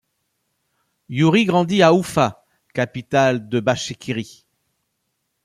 Iouri grandit à Oufa, capitale de Bachkirie.